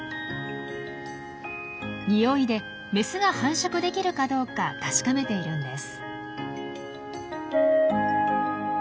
匂いでメスが繁殖できるかどうか確かめているんです。